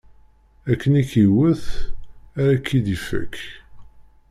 Akken i k-iwwet, ara k-id-ifakk.